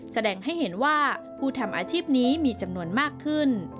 แสดงให้เห็นว่าผู้ทำอาชีพนี้มีจำนวนมากขึ้น